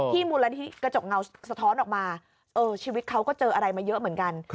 มูลนิธิกระจกเงาสะท้อนออกมาชีวิตเขาก็เจออะไรมาเยอะเหมือนกัน